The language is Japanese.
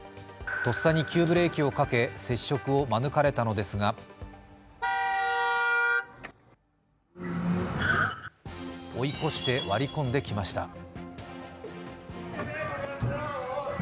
とっさに急ブレーキをかけ、接触を免れたのですが、追い越して割り込んできました。